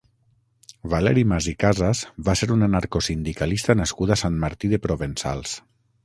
Valeri Mas i Casas va ser un anarcosindicalista nascut a Sant Martí de Provençals.